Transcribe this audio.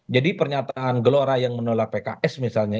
jadi pernyataan gelora yang menolak pks misalnya